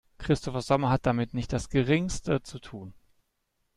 Christopher Sommer hat damit nicht das Geringste zu tun.